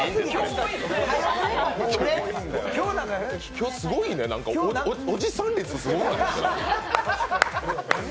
今日すごいね、おじさん率、すごくない？